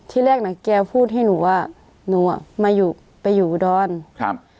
ที่แรกน่ะแกพูดให้หนูว่าหนูอ่ะมาอยู่ไปอยู่อุดรครับ